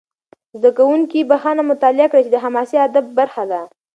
زده کوونکي بخښنه مطالعه کړي، چې د حماسي ادب برخه ده.